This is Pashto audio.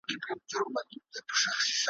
شمع به اوس څه وايی خوله نه لري `